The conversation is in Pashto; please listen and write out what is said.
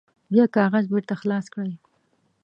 بیا کاغذ بیرته خلاص کړئ.